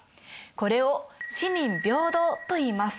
これを四民平等といいます。